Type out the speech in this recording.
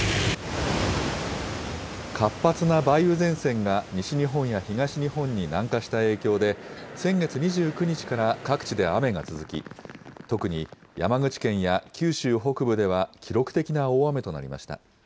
活発な梅雨前線が西日本や東日本に南下した影響で、先月２９日から各地で雨が続き、特に山口県や九州北部では、記録的な大雨となりました。